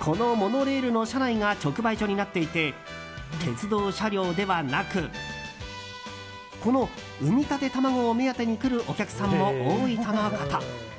このモノレールの車内が直売所になっていて鉄道車両ではなくこの産みたて卵を目当てに来るお客さんも多いとのこと。